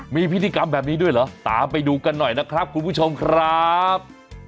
มีพิธีกรรมแบบนี้ด้วยเหรอตามไปดูกันหน่อยนะครับคุณผู้ชมครับ